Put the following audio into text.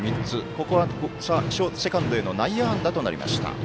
ここはセカンドへの内野安打となりました。